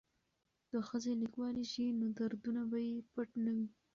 که ښځې لیکوالې شي نو دردونه به یې پټ نه وي.